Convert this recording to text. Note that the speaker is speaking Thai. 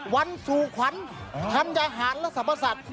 วันสู่ขวัญธัญญาหารและสรรพสัตว์